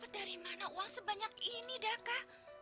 dari mana uang sebanyak ini daka